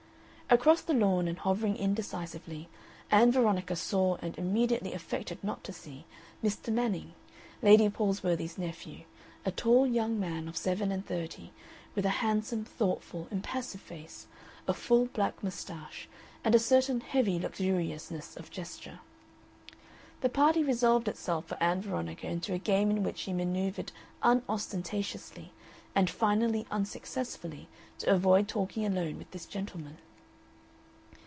Across the lawn and hovering indecisively, Ann Veronica saw and immediately affected not to see Mr. Manning, Lady Palsworthy's nephew, a tall young man of seven and thirty with a handsome, thoughtful, impassive face, a full black mustache, and a certain heavy luxuriousness of gesture. The party resolved itself for Ann Veronica into a game in which she manoeuvred unostentatiously and finally unsuccessfully to avoid talking alone with this gentleman.